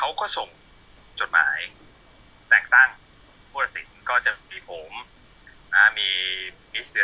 แล้วช่างคนนั้นเนี่ยหมอค่าเครื่องมือ